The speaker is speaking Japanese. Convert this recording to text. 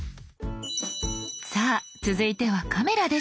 さぁ続いてはカメラです。